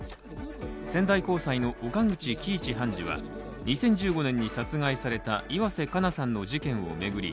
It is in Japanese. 仙台高裁の岡口基一判事は２０１５年に殺害された岩瀬加奈さんの事件を巡り